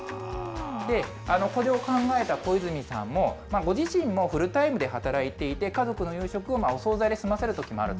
これを考えた小泉さんもご自身もフルタイムで働いていて、家族の夕食をお総菜で済ませるときもあると。